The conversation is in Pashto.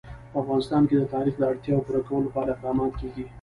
په افغانستان کې د تاریخ د اړتیاوو پوره کولو لپاره اقدامات کېږي.